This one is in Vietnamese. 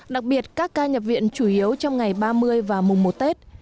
đặc biệt các ca nhập viện chủ yếu trong ngày ba mươi và mùng một tết